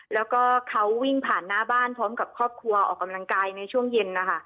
แล้วก็เขาวิ่งผ่านหน้าบ้านพร้อมกับครอบครัวออกกำลังกายในช่วงเย็นนะคะ